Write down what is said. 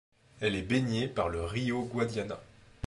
Elle est baignée par le Rio Guadiana.